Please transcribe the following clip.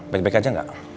baik baik aja gak